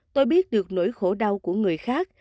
tôi biết được nỗi khổ đau của người khác